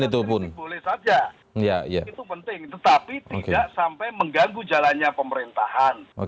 itu penting tetapi tidak sampai mengganggu jalannya pemerintahan